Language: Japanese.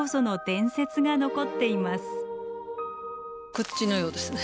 こっちのようですね。